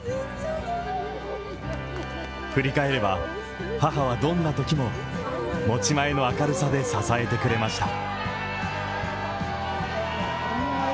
振り返れば、母はどんなときも持ち前の明るさで支えてくれました。